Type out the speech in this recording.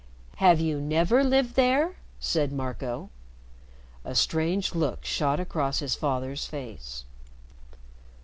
"Have you never lived there?" said Marco. A strange look shot across his father's face.